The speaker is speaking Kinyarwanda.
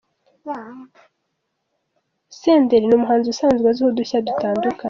Senderi ni umuhanzi usanzwe azwiho udushya dutandukanye.